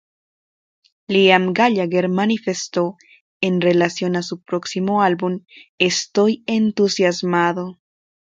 Liam Gallagher manifestó, en relación a su próximo álbum: "Estoy entusiasmado.